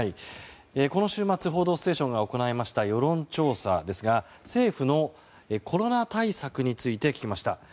この週末「報道ステーション」が行いました世論調査ですが、政府のコロナ対策について聞きました。